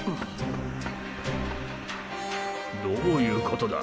どういうことだ？